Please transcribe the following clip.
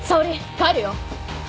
帰るよ！